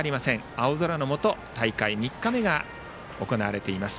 青空の下、大会３日目が行われています。